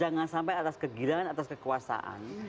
jangan sampai atas kegirangan atas kekuasaan